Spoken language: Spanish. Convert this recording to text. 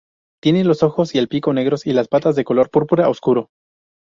Tiene los ojos y el pico negros y las patas de color púrpura oscuro.